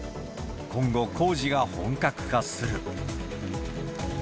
今後、工事が本格化する。